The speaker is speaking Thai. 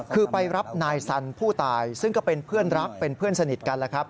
คือไปรับนายสันผู้ตายซึ่งก็เป็นเพื่อนรักเป็นเพื่อนสนิทกันแล้วครับ